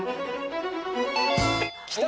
きた。